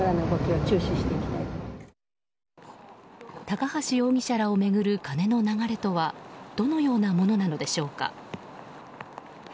高橋容疑者らを巡る金の流れとはどのようなものなのでしょうか。